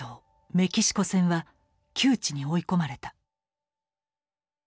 メキシコ戦は窮地に追い込まれた。